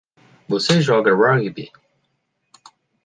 Você joga rugby?